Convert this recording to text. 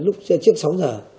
lúc trước sáu giờ